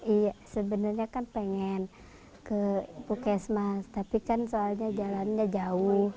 iya sebenarnya kan pengen ke pukesmas tapi kan soalnya jalannya jauh